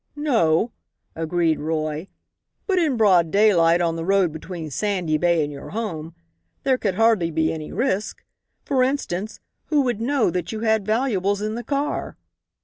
"No," agreed Roy; "but in broad daylight, on the road between Sandy Bay and your home, there could hardly be any risk. For instance, who would know that you had valuables in the car?"